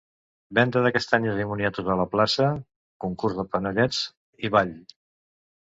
Venda de castanyes i moniatos a la plaça, concurs de panellets i ball.